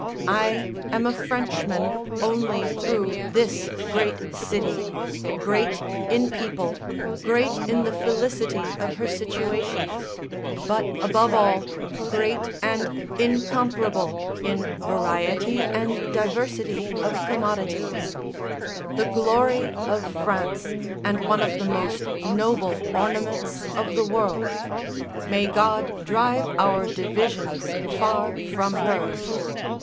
I am a Frenchman only through this great city, great in people, great in the felicity of her situation; but, above all, great and incomparable in variety and diversity of commodities: the glory of France, and one of the most noble ornaments of the world. May God drive our divisions far from her.